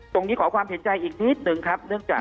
ตรงนี้ขอผิดใจอีกนิดนึงเรื่องจาก